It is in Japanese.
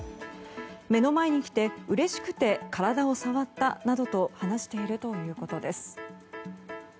目の前に来てうれしくて体を触ったなどと話しているということです。